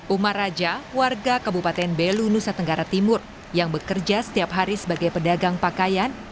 umar raja warga kabupaten belu nusa tenggara timur yang bekerja setiap hari sebagai pedagang pakaian